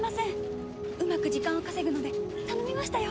うまく時間を稼ぐので頼みましたよ！